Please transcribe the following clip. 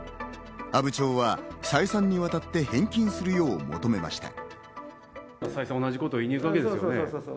阿武町は再三にわたって返金するよう求めました。